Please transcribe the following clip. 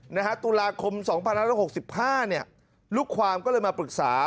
นะฮะตุลาคม๒๐๖๕เนี่ยลูกความก็เลยมาปรึกษา